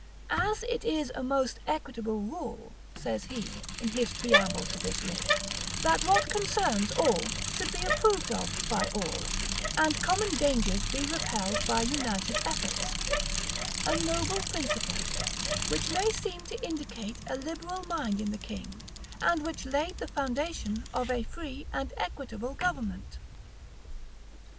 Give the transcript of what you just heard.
"As it is a most equitable rule," says he, in his preamble to this writ, "that what concerns all should be approved of by all; and common dangers be repelled by united efforts;" [*] a noble principle, which may seem to indicate a liberal mind in the king, and which laid the foundation of a free and an equitable government.